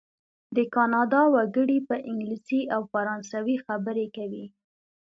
د کانادا وګړي په انګلیسي او فرانسوي خبرې کوي.